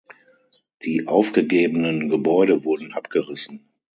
Die aufgegebenen Gebäude wurden abgerissen.